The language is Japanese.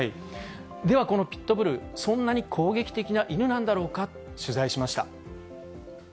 ではこのピットブル、そんなに攻撃的な犬なんだろうか、取材しました。